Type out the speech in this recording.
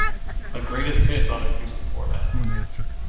A greatest hits on acoustic format.